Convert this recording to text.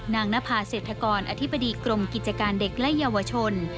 นภาเศรษฐกรอธิบดีกรมกิจการเด็กและเยาวชน